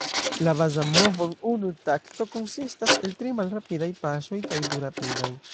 La baza movo en unu takto konsistas el tri malrapidaj paŝoj kaj du rapidaj.